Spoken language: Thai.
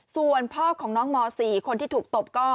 ส่วนพ่อของน้องม๔คนที่ถูกตบก็